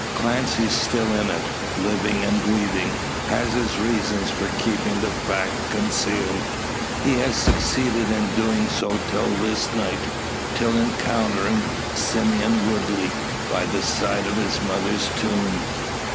Clancy still in it, living and breathing, has his reasons for keeping the fact concealed. He has succeeded in doing so till this night; till encountering Simeon Woodley by the side of his mother's tomb.